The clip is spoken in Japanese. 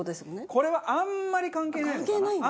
これはあんまり関係ないのかな。